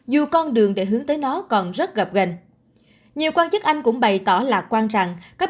dù con đường để hướng tới nó còn rất gặp gành nhiều quan chức anh cũng bày tỏ lạc quan rằng các